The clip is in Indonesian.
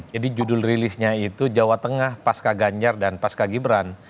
jadi judul rilisnya itu jawa tengah pasca ganjar dan pasca gibran